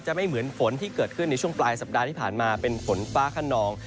ไม่เหมือนฝนที่เกิดขึ้นในช่วงปลายสัปดาห์ที่ผ่านมาเป็นฝนฟ้าขนอง